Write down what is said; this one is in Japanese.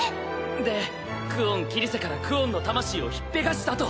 で久遠桐聖からクオンの魂を引っぺがしたと。